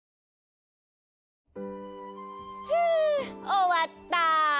ふおわった。